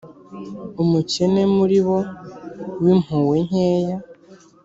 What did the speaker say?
Umukene muri bo w'impuhwe nkeya